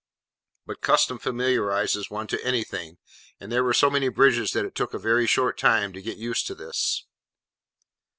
But custom familiarises one to anything, and there were so many bridges that it took a very short time to get used to this.